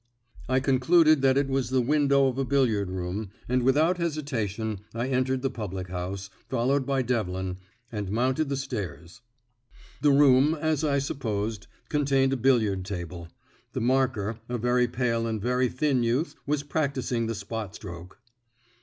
I concluded that it was the window of a billiard room, and without hesitation I entered the public house, followed by Devlin, and mounted the stairs. The room, as I supposed, contained a billiard table; the marker, a very pale and very thin youth, was practising the spot stroke.